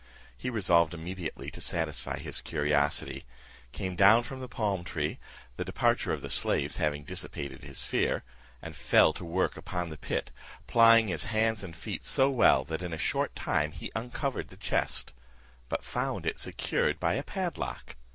He resolved immediately to satisfy his curiosity, came down from the palm tree, the departure of the slaves having dissipated his fear, and fell to work upon the pit, plying his hands and feet so well, that in a short time he uncovered the chest, but found it secured by a padlock.